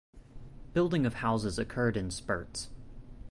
Building of houses occurred in spurts.